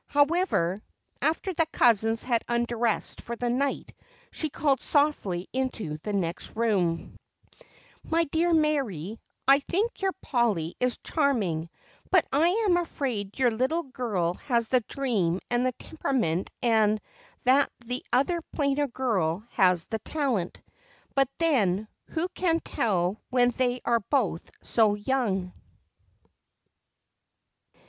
However, after the cousins had undressed for the night she called softly into the next room: "My dear Mary, I think your Polly is charming, but I am afraid your little girl has the dream and the temperament and that the other plainer girl has the talent. But, then, who can tell when they are both so young?"